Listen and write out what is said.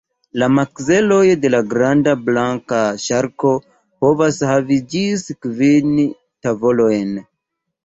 La makzeloj de la granda blanka ŝarko povas havi ĝis kvin tavolojn.